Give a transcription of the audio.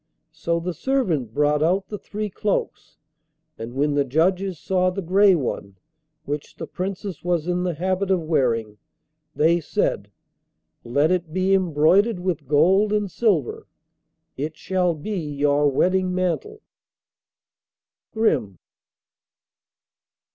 So the servant brought out the three cloaks, and when the judges saw the grey one, which the Princess was in the habit of wearing, they said: 'Let it be embroidered with gold and silver; it shall be your wedding mantle.' Grimm.